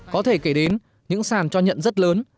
có thể kể đến những sàn cho nhận rất lớn